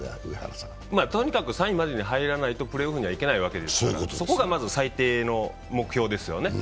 とにかく３位までに入れないとプレーオフには入れないわけですからそこがまず最低の目標ですよね。